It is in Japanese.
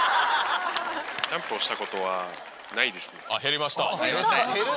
ジャンプをしたことはないでありません。